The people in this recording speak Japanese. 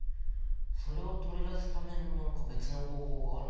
それを取り出すための何か別の方法があるのかなあ？